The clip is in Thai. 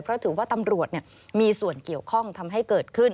เพราะถือว่าตำรวจมีส่วนเกี่ยวข้องทำให้เกิดขึ้น